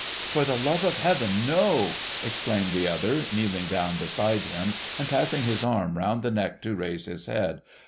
' For the love of Heaven, no !' exclaimed the other, kneeling down beside him, and passing his arm round his neck to raise his head.